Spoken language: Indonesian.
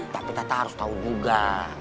tapi tata harus tahu juga